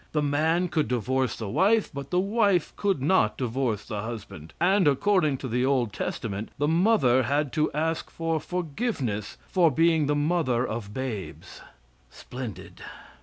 The man could divorce the wife, but the wife could not divorce the husband, and according to the old testament, the mother had to ask for forgiveness for being the mother of babes. Splendid!